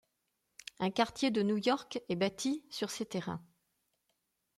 Un quartier de New York est bâti sur ses terrains.